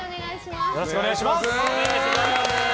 よろしくお願いします。